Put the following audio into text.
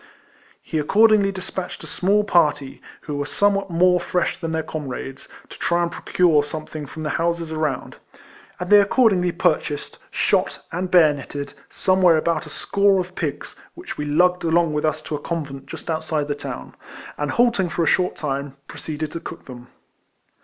He accordingly despatched a small party, who were somewhat more fresh than their comrades, to try and procure something from the houses around; and they accordingly purchased, shot, and bayoneted, somewhere about a score of pigs, which we lugged along with us to a convent just without the town ; and, halt 182 RECOLLEC riONS OF ing for a short time, proceeded to cook them.